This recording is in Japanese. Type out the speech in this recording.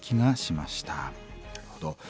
なるほど。